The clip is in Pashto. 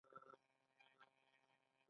ایران پر دې تنګي کنټرول لري.